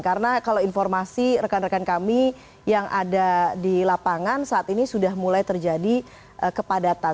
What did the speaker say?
karena kalau informasi rekan rekan kami yang ada di lapangan saat ini sudah mulai terjadi kepadatan